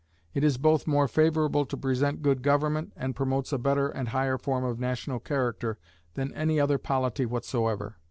It is both more favorable to present good government, and promotes a better and higher form of national character than any other polity whatsoever.